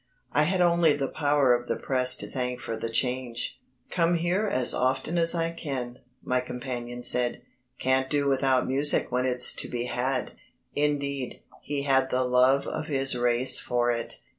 I had only the power of the Press to thank for the change. "Come here as often as I can," my companion said; "can't do without music when it's to be had." Indeed he had the love of his race for it.